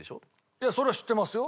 いやそれは知ってますよ。